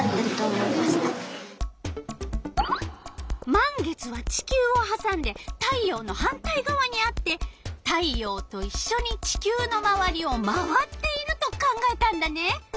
満月は地球をはさんで太陽の反対がわにあって太陽といっしょに地球のまわりを回っていると考えたんだね。